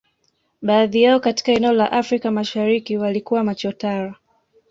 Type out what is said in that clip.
Baadhi yao katika eneo la Afrika Mashariki walikuwa machotara